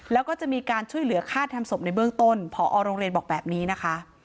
แล้วก็จะมีการช่วยเหลือฆ่าทำศพในเบื้องต้นผอโรงเรียนบอกแบบนี้นะคะ